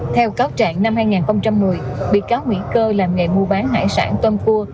theo cáo trạng năm hai nghìn một mươi bị cáo nguyễn cơ làm nghề mua bán hải sản tôm cua